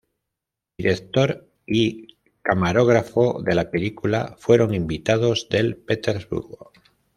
Director y camarógrafo de la película fueron invitados del Petersburgo.